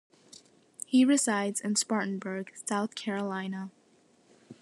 He resides in Spartanburg, South Carolina.